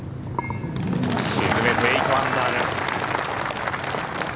沈めて８アンダーです。